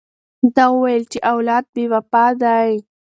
ده وویل چې اولاد بې وفا دی.